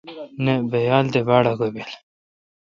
آں نا ۔بیال تہ باڑ آگہ بیل۔